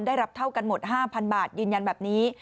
ได้รับเท่ากันหมด๕๐๐บาทยืนยันแบบนี้